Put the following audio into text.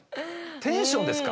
テンションですか？